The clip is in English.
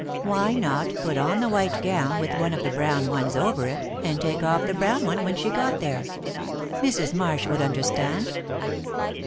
Why not put on the white gown with one of the brown ones over it and take off the brown one when she got there? Mrs. Marsh would understand.